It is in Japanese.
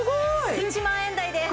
１万円台です